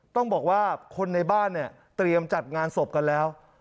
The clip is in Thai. ต้องบอกว่าคนในบ้านเนี่ยเตรียมจัดงานศพกันแล้ว